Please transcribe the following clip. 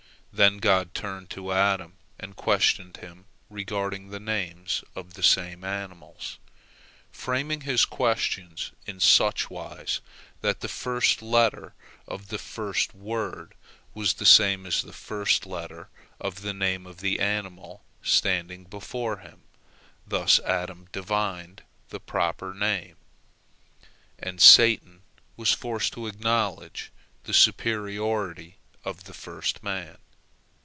Then God turned to Adam, and questioned him regarding the names of the same animals, framing His questions in such wise that the first letter of the first word was the same as the first letter of the name of the animal standing before him. Thus Adam divined the proper name, and Satan was forced to acknowledge the superiority of the first man.